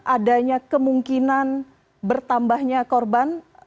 adanya kemungkinan bertambahnya korban